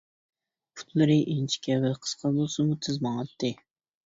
پۇتلىرى ئىنچىكە ۋە قىسقا بولسىمۇ تېز ماڭاتتى.